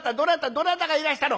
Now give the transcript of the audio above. どなたがいらしたの？」。